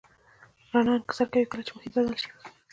رڼا انکسار کوي کله چې محیط بدل شي.